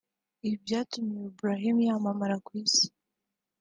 Ibi byatumye uyu Brahim yamamara ku isi